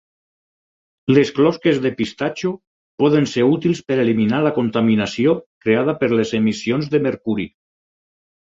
Les closques de pistatxo poden ser útils per eliminar la contaminació creada per les emissions de mercuri.